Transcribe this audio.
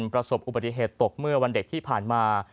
ประสบอุบัติเหตุตกเมื่อวันเด็กที่ผ่านมา